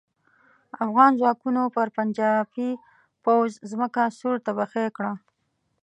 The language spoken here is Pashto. افغان ځواکونو پر پنجاپي پوځ ځمکه سور تبخی کړه.